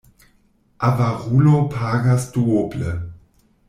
Avarulo pagas duoble.